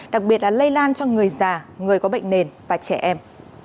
đặc biệt là lây lan cho người già người có bệnh nền và trẻ em